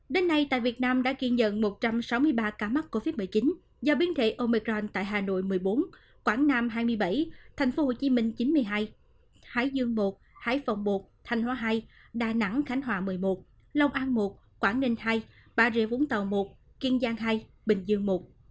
đến nay tại việt nam đã ghi nhận một trăm sáu mươi ba ca mắc covid một mươi chín do biến thể omecron tại hà nội một mươi bốn quảng nam hai mươi bảy tp hcm chín mươi hai thái dương một hải phòng một thanh hóa hai đà nẵng khánh hòa một mươi một long an một quảng ninh hai bà rịa vũng tàu một kiên giang hai bình dương một